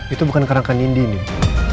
itu bukan kerangkanya nindi dik